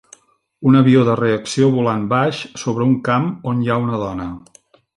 Un avió de reacció volant baix sobre un camp on hi ha una dona.